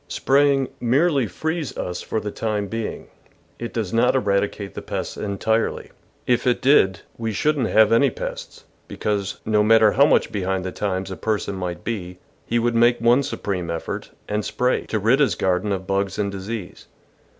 Spraying merely frees us for the time being; it does not eradicate the pests entirely. If it did, we THE VEGETABLE GARDEN shouldn't have any pests, because, no matter how much behind the times a person might be, he would make one supreme effort, and s]3ray, to rid his garden of bugs and disease.